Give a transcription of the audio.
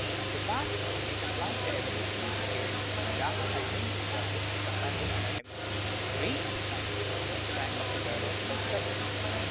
The last named, in applying the evolution ary theory, which Darwin had just established, to com parative anatomy, raised his science to the front rank of biological studies.